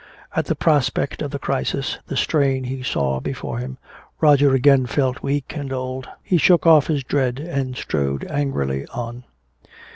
At the prospect of the crisis, the strain he saw before him, Roger again felt weak and old. He shook off his dread and strode angrily on.